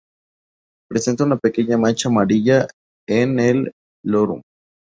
Presenta una pequeña mancha amarilla en el lorum.